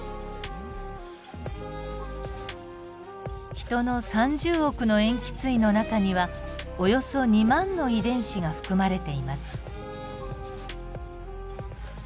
ヒトの３０億の塩基対の中にはおよそ２万の遺伝子が含まれています。